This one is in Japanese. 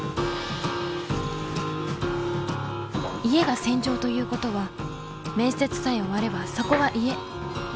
家が戦場ということは面接さえ終わればそこは家。